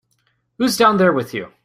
Who's down there with you?